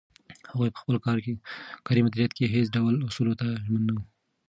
هغوی په خپل کاري مدیریت کې هیڅ ډول اصولو ته ژمن نه وو.